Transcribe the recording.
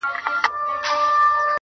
د ژوند دوران ته دي کتلي گراني .